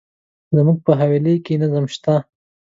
زموږ په حویلی کي نظم شته.